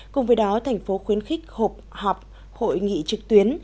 cùng với đó thành phố khuyến khích hợp hội nghị trực tuyến